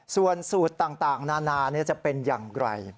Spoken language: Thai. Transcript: ส่วนสูตรต่างนานาจะเป็นอย่างไร